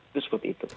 itu seperti itu